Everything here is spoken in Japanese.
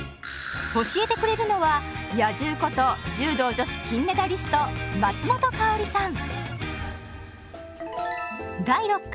教えてくれるのは「野獣」こと柔道女子金メダリスト松本薫さん。